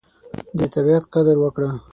د طبیعت قدر وکړه.